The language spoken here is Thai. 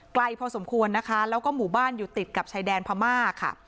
ไกลพอสมควรนะคะแล้วก็หมู่บ้านอยู่ติดกับชายแดนพม่าค่ะ